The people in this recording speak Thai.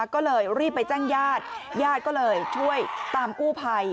ก็เลยรีบไปแจ้งญาติญาติก็เลยช่วยตามกู้ภัย